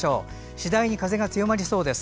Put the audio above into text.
次第に風も強まりそうです。